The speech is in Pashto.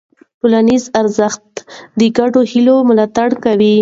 ټولنیز ارزښت د ګډو هيلو ملاتړ کوي.